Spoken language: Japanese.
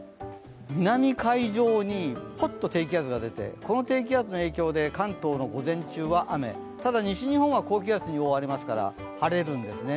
南海上にポッと低気圧が出て、この低気圧の影響で関東は午前中は雨、ただ西日本は高気圧に覆われますから晴れるんですね、